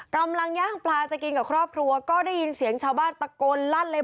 ย่างปลาจะกินกับครอบครัวก็ได้ยินเสียงชาวบ้านตะโกนลั่นเลย